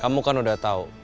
kamu kan udah tau